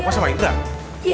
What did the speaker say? lukman sama indra ustadz